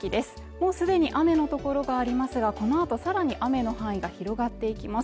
もうすでに雨の所がありますがこのあとさらに雨の範囲が広がっていきます